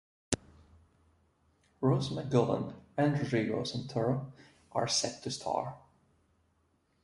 Rose McGowan and Rodrigo Santoro are set to star.